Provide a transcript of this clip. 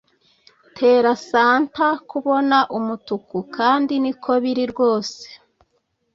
Tera Santa kubona umutuku kandi niko biri rwose